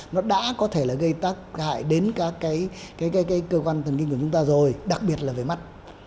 nó đã có thể gây tác hại đến các cơ quan thần kinh của chúng ta rồi đặc biệt là về mắt